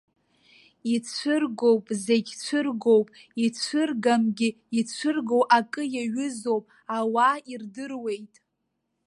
Ицәыргоуп, зегь цәыргоуп, ицәыргамгьы ицәыргоу акы иаҩызоуп, ауаа ирдыруеит.